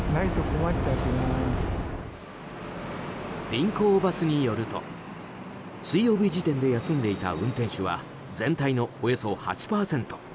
臨港バスによると水曜日時点で休んでいた運転手は全体のおよそ８％。